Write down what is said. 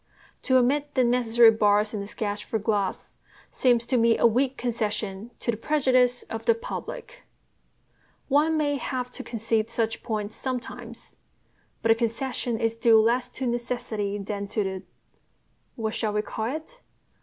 To omit the necessary bars in a sketch for glass seems to me a weak concession to the prejudice of the public. One may have to concede such points sometimes; but the concession is due less to necessity than to the what shall we call it?